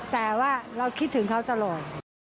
แต่ว่าเราคิดถึงเขาตลอด